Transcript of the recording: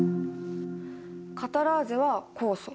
カタラーゼは酵素。